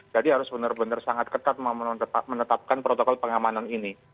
jadi harus benar benar sangat ketat menetapkan protokol pengamanan ini